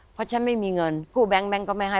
เพราะฉันไม่มีเงินกู้แบงแก๊งก็ไม่ให้